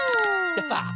やった！